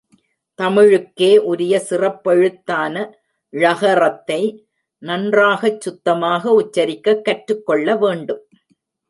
தமிழுக்கே உரிய சிறப்பெழுத்தான ழகறத்தை நன்றாகச் சுத்தமாக உச்சரிக்கக் கற்றுக் கொள்ள வேண்டும்.